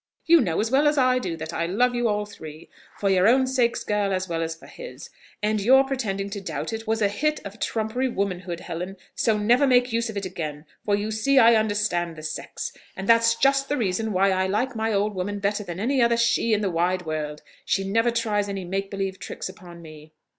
You know as well as I do, that I love you all three for your own sakes, girl, as well as for his; and your pretending to doubt it, was a hit of trumpery womanhood, Helen, so never make use of it again: for you see I understand the sex, and that's just the reason why I like my old woman better than any other she in the wide world; she never tries any make believe tricks upon me."